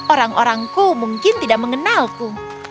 orang orangku mungkin tidak mengenalku